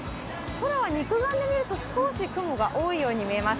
空は肉眼で見ると少し雲が多いように見えます。